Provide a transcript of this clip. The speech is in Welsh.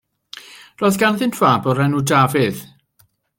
Roedd ganddynt fab o'r enw Dafydd.